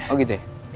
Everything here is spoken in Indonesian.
oh gitu ya